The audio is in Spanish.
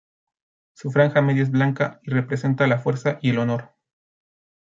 Su franja media es blanca, y representa la fuerza y el honor.